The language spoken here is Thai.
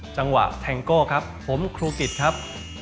จังหวะแทงโก้ครับผมครูกิทรครับ